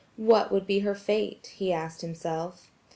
What would be her fate? he asked himself.